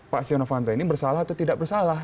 pak sionovanto ini bersalah atau tidak bersalah